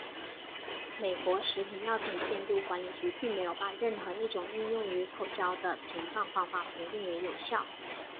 美国食品药品监督管理局并没有把任何一种应用于口交的屏障方法评定为有效。